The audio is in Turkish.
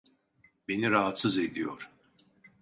Beni rahatsız ediyor.